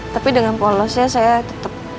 tapi dengan polosnya saya tetap